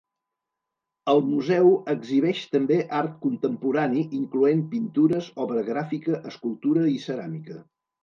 El museu exhibeix també art contemporani incloent pintures, obra gràfica, escultura i ceràmica.